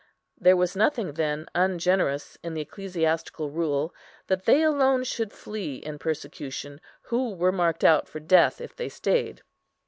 There was nothing, then, ungenerous in the ecclesiastical rule that they alone should flee, in persecution, who were marked out for death, if they stayed.